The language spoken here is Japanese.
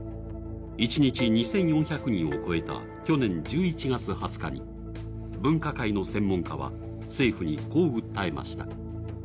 一日２４００人を超えた去年１１月２０日に分科会の専門家は、政府にこう訴えました。